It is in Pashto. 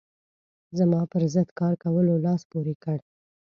زما پر ضد کار کولو لاس پورې کړ.